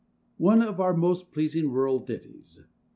[ONE of our most pleasing rural ditties.